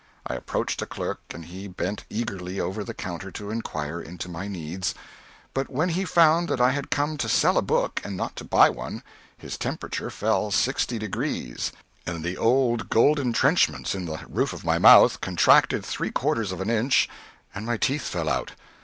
I approached a clerk and he bent eagerly over the counter to inquire into my needs; but when he found that I had come to sell a book and not to buy one, his temperature fell sixty degrees, and the old gold intrenchments in the roof of my mouth contracted three quarters of an inch and my teeth fell out.